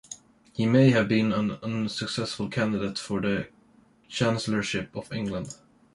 He may have been an unsuccessful candidate for the chancellorship of England.